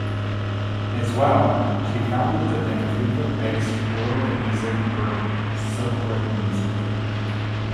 As well, she founded the Vancouver-based world music group, Silk Road Music.